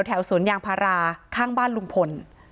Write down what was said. สวนยางพาราข้างบ้านลุงพล